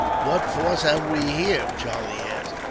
"What force have we here?" Charlie asked.